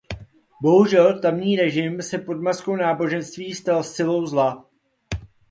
Bohužel, tamní režim se pod maskou náboženství stal silou zla.